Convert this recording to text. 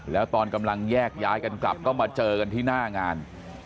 แล้วตอนกำลังแยกย้ายกันกลับก็มาเจอกันที่หน้างาน